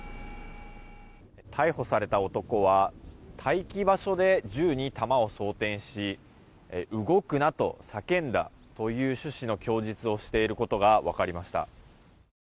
逮捕された男は待機場所で銃に弾を装填し動くなと叫んだという趣旨の供述をしていることが分かりました。